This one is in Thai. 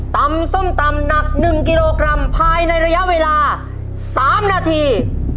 ส้มตำหนัก๑กิโลกรัมภายในระยะเวลา๓นาที